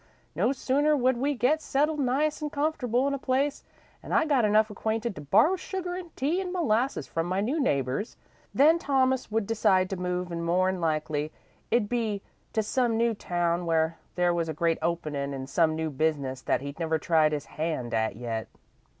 No sooner would we get settled nice an' comfortable in a place, an' I got enough acquainted to borrow sugar an' tea an' molasses from my new neighbours, than Thomas would decide to move, an' more 'n likely, it'd be to some new town where there was a great openin' in some new business that he'd never tried his hand at yet.